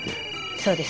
そうです。